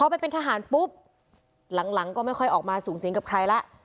ไปเป็นทหารปุ๊บหลังก็ไม่ค่อยออกมาสูงสิงกับใครแล้ว